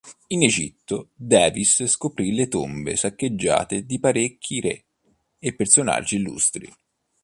In Egitto, Davis scoprì le tombe saccheggiate di parecchi re e personaggi illustri.